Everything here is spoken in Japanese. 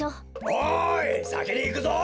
おいさきにいくぞ。